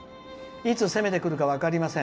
いつ攻めてくるか分かりません。